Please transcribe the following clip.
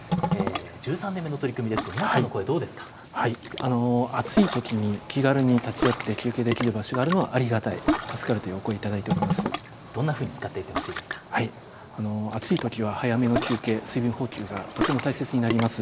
１３年目の取り組みですが、皆さ暑いときに気軽に立ち寄って、休憩できる場所があるのはありがたい、助かるというお声を頂いてどんなふうに使っていってほ暑いときには早めの休憩、水分補給がとても大切になります。